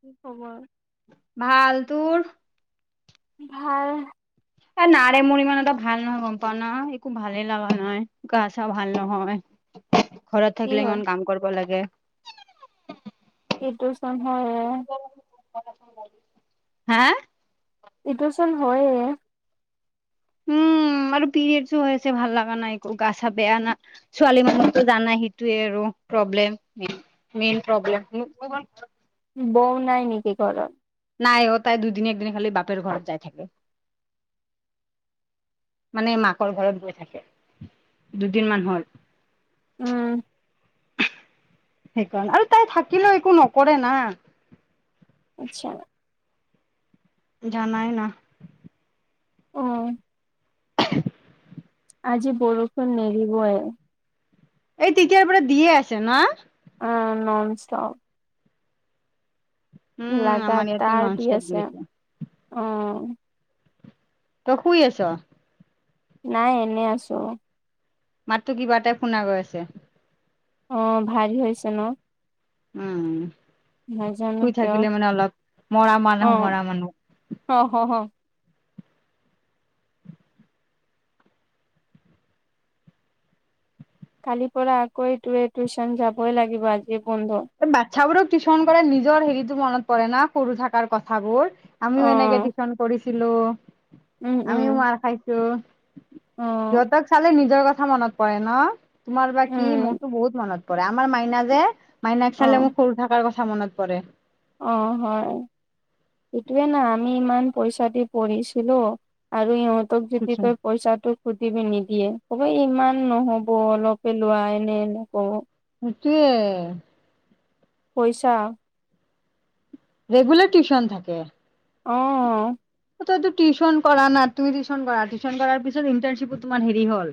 কি খবৰ? ভাল তোৰ। ভাল। এ নাৰে মোৰ ইমান এটা ভাল নহয় গম পাও না, একো ভালেই লগা নাই গা চা ভাল নহয়। ঘৰত কি থাকিলে হয় ইমান কাম কৰিব লাগে। এইটো চন হয়ে। হা। এইটো চোন হয়ে। উম আৰু পিৰিয়েডচো হৈ আছে ভাল লাগা নাই একো গা ছা বেয়া না। ছোৱালী মানুহটো জানা সেইটোৱে আৰু প্ৰব্লেম মেইন প্ৰব্লেম। বৌ নাই নেকি ঘৰত। নাই অ তাই দুদিন একদিন খালি বাপেৰৰ ঘৰত যায় থাকে। মানে মাকৰ ঘৰত গৈ থাকে, দুদিন মান হল। উম। সেইকাৰণে আৰু তাই থাকিলেও একো নকৰে না। আচ্ছা। জানাই না। অ। আজি বৰষুণ নেৰিবয়ে। এ তেতিয়াৰ পৰা দিয়ে আছে না। অ নন ষ্টপ। উম আমাৰ ইয়াতো লাগাতাৰ নন দি ষ্টপ আছে, অ। তই শুই আছ। নাই এনে আছো। মাতটো কিবা এটা শুনা গৈ আছে। অ ভাল হৈছে ন। উম নাজানো শুই কিয় থাকিলে মানে অলপ, মৰা অ মানুহ মৰা মানুহ। অ হ হ। কালিৰ পৰা আকৌ এইটোৱে টিউচন যাবই লাগিব আজি বন্ধ। বাচ্ছা বোৰক টিউচন কৰে নিজৰ হেৰিতো মনত পৰে না সৰু থাকাৰ কথাবোৰ। অ আমিও এনেকে টিউশ্যন কৰিছিলো উম উম আমিও মাৰ খাইছো। অ সিহঁতক চালে নিজৰ কথা মনত পৰে ন তোমাৰ বা কি উম মোৰতো বহুত মনত। আমাৰ মাইনা যে মাইনাক অ চালে মোক সৰু থাকাৰ কথা মনত পৰে। অ হয় সেইটোৱে ন আমি ইমান পইচা দি পঢ়িছিলোঁ। আৰু ইহঁতক যদি তই পইচাটো সুধিবি নিদিয়ে কব ইমান নহব অলপে লোৱা এনে এনে কব। সেইটোৱে। পইচা। ৰেগুলাৰ টিউশ্যন থাকে। অ তই টো টিউশ্যন কৰা না তুমি টিউশ্যন কৰা টিউশ্যন কৰাৰ পিছত ইণ্টাৰ্নশিপো তোমাৰ হেৰি হল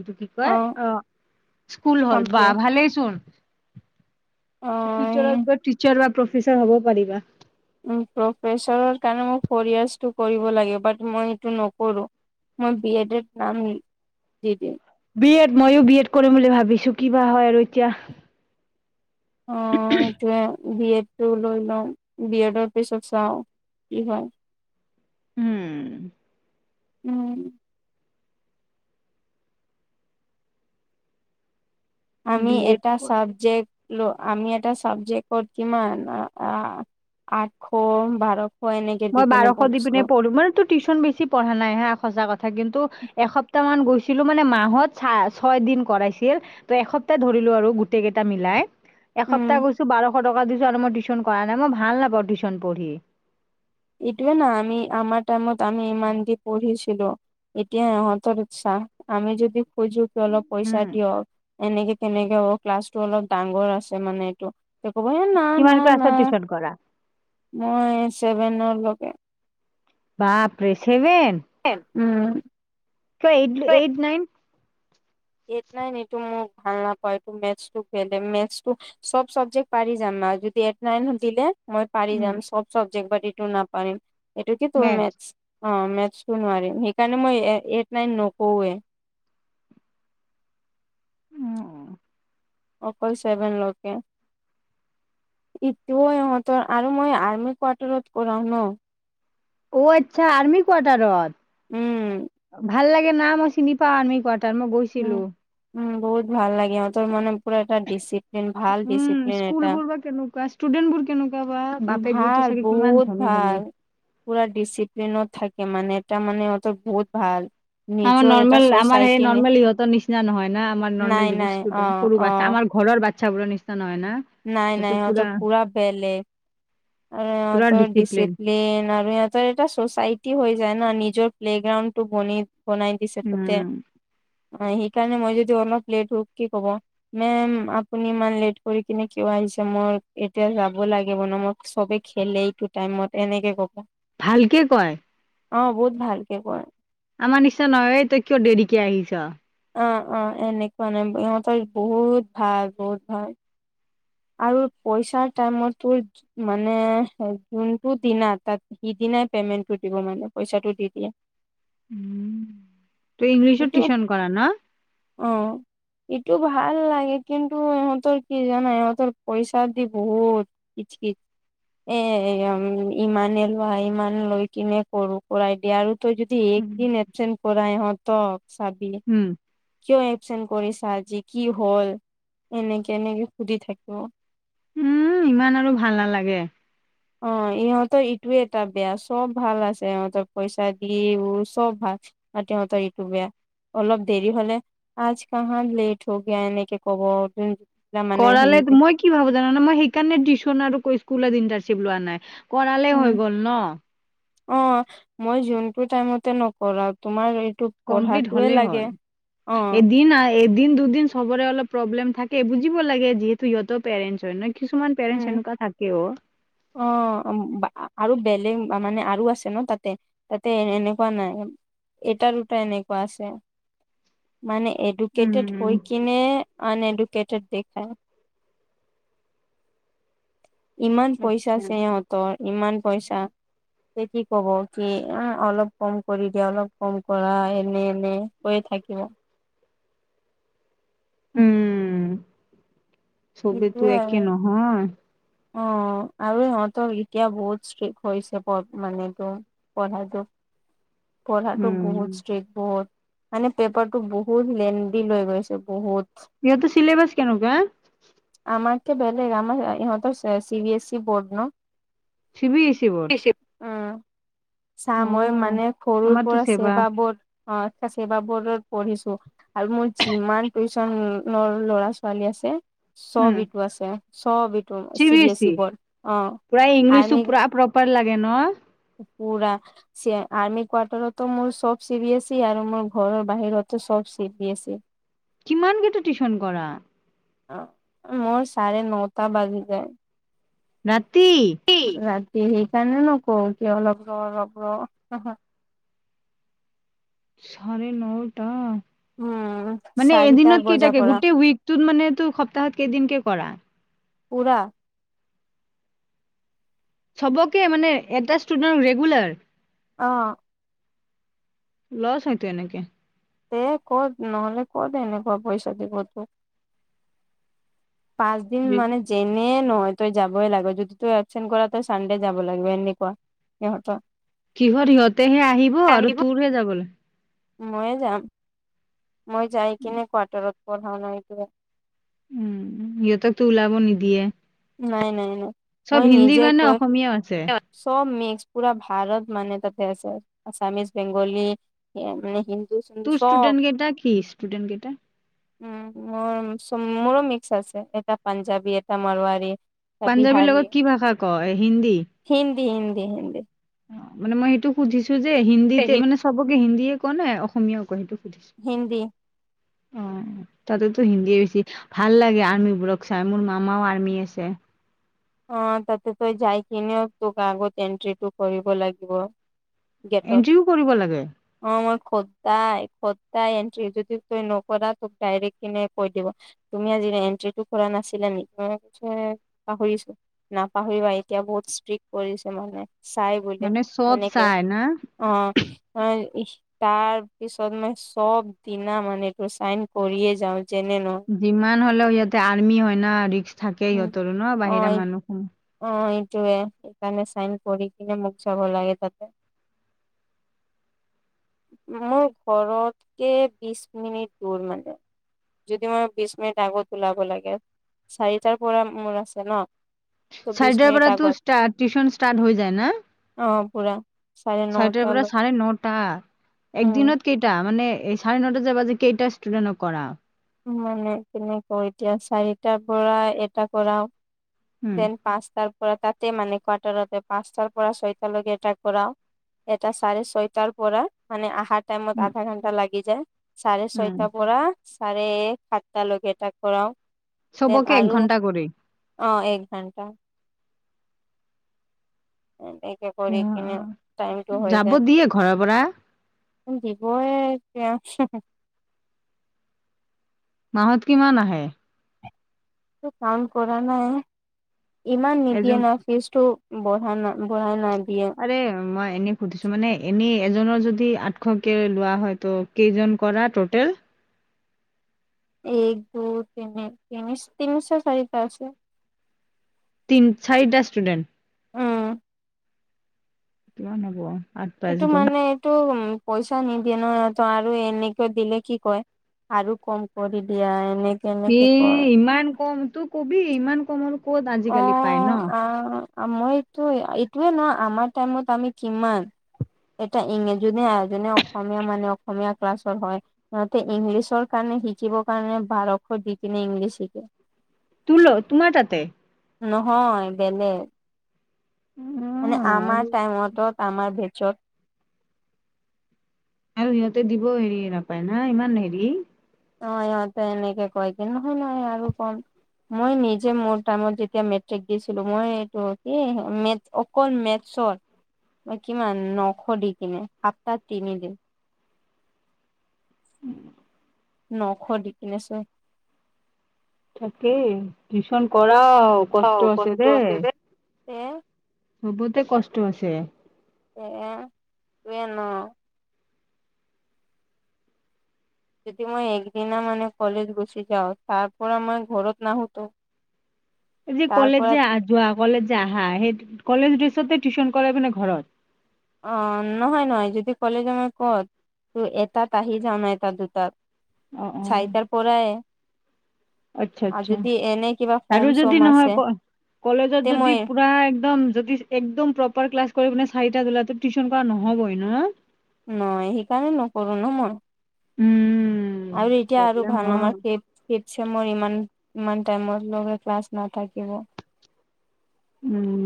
এইটো কি ক [unintelligible] অ স্কুল হল বা কমপ্লে ভালেই চোন। অ ফিউচাৰত গৈ [unintelligible] বা প্ৰফেছাৰ হব পাৰিবা। উ প্ৰফেচৰৰ কাৰণে ফৰিয়ছটো কৰিব লাগে বাট মই এইটো নকৰো মই বি এড [unintelligible] নাম দি দিম। বি এড মইয়ো বি এড কৰিম বুলি ভাবিছো কিবা হয় আৰু এতিয়া। অ সেইটোৱে বি এড টো লৈ লওঁ বি এডৰ পিছত চাওঁ কি হয়। উম্ উম্ আমি বি এড এটা চাবজেক্ট। ল আমি এটা চাবজেক্ট কিমান আঠশ বাৰশ। এনেকে দি মই কেনে বাৰশ দি পঢ়িছিলো পিনে পঢ়ো মানে তো টিউশ্যন বেছি পঢ়া নাই হা সঁচা কথা কিন্তু এসপ্তাহ মান গৈছিলো মানে মাহত ছয় দিন কৰাইছিল। এসপ্তাহ ধৰিলো আৰু গোটেই কেইটা মিলাই। এসপ্তাহ উম গৈছো বাৰশ টকা দিছো আৰু মই টিউশ্যন কৰা নাই মই ভাল নাপওঁ টিউশ্যন পঢ়ি। ইটোৱে নাআমি আমাৰ টাইমত আমি ইমান দি পঢ়িছিলো এতিয়াহঁতৰ উৎ চাহ আমি যদি খুজোঁ। অলপ পইচা উম, দিয়ক এনেকে কেনেকে অ ক্লাছটো অলপ ডাঙৰ আছে মানে এইটো। ক'ব হ না কিমান না না ক্লাছত টিউচন কৰা? মই চেভেনৰ লৈকে। বাপৰে চেভেন। উম্ ক এইট এইট নাইন। এইত নাইন এই টো মোক ভাল নাপায় এইটো মেথছটো খেলে মেচটো। চব চাবজেক্ট পাৰি যাম আৰু যদি এইট নাইন দিলে। মই পাৰি উম, যাম সব চাবজেক্ট বাট ইটো ন পাৰিম এইটো কি তোৰ মেথছ। অ মেথছটো নোৱাৰিম সেইকাৰণে মই এইট নাইন নকওঁৱে। উম, অকলচেভেন লৈকে। ইটো ইহঁতৰ আৰু মই আৰ্মি কোৱাৰ্টাৰত কৰাও ন। অ আচ্ছা আৰ্মি উম কোৱাটাৰত ভাল লাগে না ম ই চিনি। আৰ্মি কোৱাটাৰ গৈ। উ উ বহুত ভাল লাগে ইহঁতৰ তোৰ মানে পুৰা এটা ডচিপ্লিন ভাল উম ডিচিপ্লিন স্কুল এটা। বোৰ কেনেকুৱা ষ্টুডেন্ট বোৰ কেনেকুৱা বা বাপেক বোৰতো ভাল চাগে কিমান বহুত ধনী ভাল ধনী পুৰা ডিচিপ্লিনত থাকে মানে এটা মানে ইহঁতৰ বহুত ভাল। আমাৰ নিজৰ এটা নৰ্মেল আমাৰ চচাইটি সেই নৰ্মেল ইহতৰ নিচিনা নহয় না আমাৰ নাই নৰ্মেল যিবোৰ নাই অ ষ্টুডেন্ট সৰু অ বা আমাৰ। ঘৰৰ বাচ্ছাবোৰৰ নিচিনা নহয় না। নাই নাই সিহঁতৰ পুৰা বেলেগ আৰু পুৰা সিহঁতৰ ডিচিপ্লিন ডিচিপিলেন। এ আৰু ইহঁতৰ এটা চোচাইটি হৈ যায় না নিজৰ প্লেগ্ৰাউণ্ড টো বনিত। বনাই দিছে তাতে। উম। অ সেইকাৰণে মই যদি লেট হৌ কি কৱ মেম আপুনি ইমান লেট কৰি এইপিনে কিয় আহিছে মই এতিয়া যাব লাগিব ন মই চবে খেলে এইটো টাইমত এনেকে কব। ভালকে কয়। ‌ অ বহুত ভালকে কয়। আমাৰ নিশায় নৰয় তই কিয় দেৰিকে আহিছ। অ অ এনেকুৱা নাই সিহঁতৰ বহুত ভাল বহুত ভাল। আৰু পইচাৰ টাইমতো মানে যোনটো দিনা তাত সিদিনাই পেমেন্টটো দিব মানে পইচাটো দি দিয়ে। উম তই ইংলিছো এইটো টিউশ্যন কৰা ন। অ এইটো ভাল লাগে কিন্তু ইহঁতৰ কি জানা ইহঁতৰ। ত পইচা দি বহুত কি কি। এ ইমানে লোৱা ইমান লৈ কিনে কৰো কৰাই দিয়া আৰু তই যদি উম, ইলেকশ্যন পৰা ইহঁতক চাবি উম। কিয় এবচেন্ট কৰিছা আজি কি হ'ল এনেকে এনেকে সুধি থাকে [inaudible] উম ইমান আৰু ভাল নালাগে। অ ইহঁতৰ ইটোয়ে এটা বেয়া চব ভাল আছে সিহঁতৰ পইচা দি ও চব ভাল। বাকী ইহঁতৰ এইটো বেয়া। অলপ দেৰি হলে আজ কাহা লেট হ গয়া এনেকে ক'ব। মানে কৰালে হিন্দী মই কি ভাবো জানানে মই সেইকাৰণে টিউশ্যন আৰু স্কুল ইন্টানচিপ লোৱা নাই। কৰালেই উম হৈ গ'ল ন। অ মই যোনটো টাইমতে নকৰা তোমাৰ এইটো কমপ্লিট পঢ়াটোৱে হলে লাগে হল অ এদিন আ এদিন দুদিন সবৰে অলপ প্ৰব্লেম থাকে বুজিব লাগে যিহেতু সিহঁতে পেৰেঞ্চ হয় না। কিছুমান পেৰেঞ্চ উম এনেকুৱা থাকেও অ আৰু বেলেগ মানে আৰু আছে ন তাতে। তাতে এনেকুৱা নাই এটা দুটা এনেকুৱা আছে মানে। এডুকেটেড উম, হৈ কিনে আন এডুকেটেড দেখায়। ইমান পইচা আছে আচ্ছা। সিহঁতৰ ইমান পইচা তে কি ক'ব কি অ অলপ কম কৰি দিয়া অলপ কম কৰা এনে এনে কয় থাকিব। উম। চবেতো সেইটোয়ে একে আৰু। নহয়। অ আৰু সিহঁতৰ এতিয়া বহুত ষ্ট্ৰিক্ট হৈছে প মানে পঢ়াটো। পঢ়াটো উম, বহুত ষ্ট্ৰিক্ট বহুত। মানে পেপাৰটো বহুত লেন্ডি লৈ গৈছে বহুত। সিহঁতৰ চেলিবাস কেনেকুৱা? আমাৰ কে বেলেগ আমাৰ ইহঁতৰ C B S C board ন। C B A C board. উম, চা মই অ', মানে সৰুৰ আমাৰতো পৰা ছেবা। চেবা বৰ্ড অ চেবা বৰ্ডত পঢ়িছো। আৰু মোৰ যিমান টিউচন ৰ ল'ৰা ছোৱালী আছে উম, চব ইটো আছে। চব ইটো C B S E board অ আমি পাৰ লাগে ন? পুৰা চিয়া আৰ্মি কোৱাৰাৰ্টাৰতো মোৰ চব চি বি এছ ই আৰু মোৰ ঘৰৰ বাহিৰতো চব চি বি এছ ই। [unintelligible] কিমান কেইটো টিউচন কৰা? অ মোৰ চাৰে নটা বাজি যায়। ৰাতি? ৰাতি সেইকাৰণে নকওঁ কিয় অলপ ৰ অলপ ৰ চাৰে নটা উম মানে চাৰিটা এদিনত বজাৰ কেইটাকে পৰা গোটেই উইকটোত মানে তোৰ সপ্তাহত কেইদিন কে কৰা? পূৰা। চবকে মানে এটা ষ্টুডেণ্ট ৰেগুলাৰ? অ। লছ হয়টো এনেকে। এ ক'ত নহ'লে কত এনেকুৱা পইচা দিব তোক। পাঁচ দিন মানে যেনে নহয় তই যাবই লাগে যদি তই এবছেন্ত কৰা তই চানডে যাব লাগিব এনেুৱা। সিহঁতৰ কিহৰ সিহঁতেহে আহিব আৰু তোৰহে যাব লা মইয়ে যাম, মই যাই কিনে কোৱাৰ্টাৰত পঢ়াও ন হেতু উম সিহঁতকতো ওলাব নিদিয়ে? নাই নাই নাই চব মই হিন্দী নিজে কাৰণে কৈ অসমীয়াও আছে। চব মিক্স পুৰা ভাৰত মানে তাতে আছে, আছামিছ, বেংগলী মানে হিন্দ তোৰ ষ্টুডেট গেইটা কি ষ্টুডেণ্ট গেইটা? উম মোৰ মোৰো মিক্স আছে এটা পাঞ্জাবী এটা মাৰোৱাৰী। এটা পাঞ্জাৱীৰ বিহাৰী লগত কি ভাষা কৈ হিন্দী? হিন্দী হিন্দী হিন্দী। অ মানে মই সেইটো সুধিছো যে হিন্দীতে মানে চবকে হিন্দীয়ে ক নে অসমীয়ও কৈ সেইটো সুধিছো? হিন্দী। অ', তাতেতো হিন্দীয়ে বেছি ভাল লাগে আৰ্মী বোৰক চাই মোৰ মামাও আৰ্মী আছে। অ তাতে তই যাই কিনেও তোক আগত এন্ট্ৰিটো কৰিব লাগিব। গেটত এন্ত্ৰীও কৰিব লাগে? অ মই সদাই সদাই এন্ট্ৰী যদি তই নকৰা তোক ডাইৰেক্ট কিনে কৈ দিব তুমি আজি এণ্ট্ৰিটো কৰা নাছিলা নেকি মই পাহৰিছো। নাপাহৰিবা এতিয়া বহুত ষ্ট্ৰিক্ট কৰিছে মানে চাই বোলে মানে চব এনেকে। চাই না অ অ তাৰ পিছত মই চব দিনা মানে একো চাইন কৰিয়ে যাওঁ জনে ন যিমান হ'লেও সিহঁতে আৰ্মি হয় ন ৰিক্স থাকে সিহঁতৰো ন অ বাহিৰা মানুহ। অ এইটোৱে সেইকাৰণে চাইন কৰি কিনে মোক চাব লাগে তাতে। মোৰ ঘৰতকে বিশ মিনিট দূৰ মানে। যদি মই বিশ মিনিট আগত ওলাব লাগে, চাৰিটাৰ পৰা মোৰ আছে ন? ত' বিশ চাৰিটাৰ মিনিট পৰা তোৰ আগত ষ্টা-টিউচন ষ্টাৰ্ট হৈ যায় ন? অ', পুৰা। চাৰে চাৰিটাৰ পৰা নটালৈ চাৰে নটা একদিনত উম কেইটা, মানে এই চাৰে নটা যে বাজে, কেইটা ষ্টুডেণ্টক কৰা? মানে কেনেকৈ কওঁ এতিয়া, চাৰিটাৰ পৰা এটা কৰাওঁ, উম, দেন পাঁচটাৰ পৰা তাতে মানে কোৱাৰ্টাৰতে, পাঁচটাৰ পৰা ছয়টালৈকে এটা কৰাওঁ এটা চাৰে ছয়টাৰ পৰা, মানে আহা টাইমত উম, আধা ঘণ্টা লাগি যায়, চাৰে উম, ছয়টা পৰা চাৰে সাতটালৈকে এটা কৰাওঁ, দেন চবকে এক আৰু ঘন্টা কৰি অ', এক ঘণ্টা। এনেকে কৰি কিনে, টাইমটো হৈ যাব যায়। দিয়ে ঘৰৰ পৰা উম, দিবয়ে তেওঁক মাহত কিমান আহে? টো কাউণ্ট কৰা নাই, ইমান নিদিয়ে এজন ন ফিজটো বঢ়া না-বঢ়াই নাই দিয়ে। আৰে মই এনেই সুধিছোঁ, মানে এনেই এজনৰ যদি আঠশকৈ লোৱা হয় ত' কেইজন কৰা টোটেল? এক, দুই, তিনি, তিনি-তিনিচ, চাৰিটা আছে। তিন, চাৰিটা ষ্টুডেণ্ট? উম কিমান হ'ব? আঠ পাঁচ এইটো গুণ মানে এইটো উম পইচা নিদিয়ে ন, ত' আৰু এনেকে দিলে কি কয়, আৰু কম কৰি দিয়ে এনে ই ইমান কম, তই ক'বি ইমান কমত অ', আ-মইটো, এইটোয়ে ন আমাৰ টাইমত আমি কিমান এটা ইং-জোনে জোনে অসমীয়া মানে অসমীয়া ক্লাছৰ হয় সিহঁতে ইংলিছৰ কাৰণে শিকিবৰ কাৰণে বাৰশ দি কিনে ইংলিছ শিকে। তোৰ ল-তোমাৰ তাতে? নহয়, বেলেগ। অ মানে আমাৰ আৰু টাইমত, আমাৰ বেটছত আৰু সিহঁতে দিব হেৰি নাপায় না, ইমান হেৰি অ', সিহঁতে এনেকে কয়, কি নহয় নহয় আৰু কম মই নিজে মোৰ টাইমত যেতিয়া মেট্ৰিক দিছিলোঁ, মই এইটো কি, মেট অকল মেথছত, মই কিমান, নশ দি কিনে, সাতটাত তিনিদিন। উম। নশ দি কিনিছো। তাকেই, টিউচন কৰাও কষ্ট আছে দেই। তে? চবতে কষ্ট আছে। দে, সেইটোৱে ন যদি মই একদিনা মানে কলেজ গুচি যাওঁ, তাৰ পৰা মই ঘৰত নাহোঁতো। এই যে কলেজ যে যোৱা, কলেজ যে আহা, সেই কলেজ ড্ৰেছতে টিউচন কৰে মানে ঘৰত? অ', নহয় নহয়, যদি কলেজ যাওঁ মই ক'ত ত', এটাত আহি যাওঁ মানে, এটাত, দুটাত। অ' অ'। আইতাৰ পৰাই আচ্ছা আৰু আচ্ছা যদি এনে কিবা আৰু ফম যদি চম নহয় আছে ক কলেজত তে যদি মই পুৰা একদম যদি একদম প্ৰপাৰ ক্লাছ কৰি পিনে চাৰিটা উলাওতে টিউচন কৰা নহবই না নহয় সেইকাৰণে নকৰো ন মই উম আৰু এতিয়া আৰু প্ৰব্লেম ভাল হয় [unintelligible] ফিফ তেমন মোৰ ইমান ইমান টাইমৰ লগে ক্লাছ নাথাকিব উম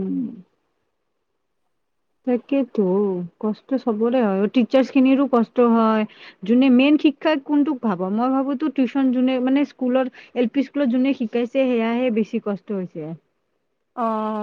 তাকেতো কষ্ট চবৰে হয় টিচাৰ্চ খিনিৰো কষ্ট হয়। যোনে মেইন শিক্ষাই কোনটোক ভাৱো মই ভাবোতো টিউচন যোনে মানে স্কুলৰ এল পি স্কুলত যোনে শিকাইছে সেয়াহে বেছি কষ্ট হৈছে। অ